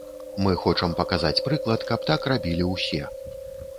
Мы хочам паказаць прыклад, каб так рабілі ўсе.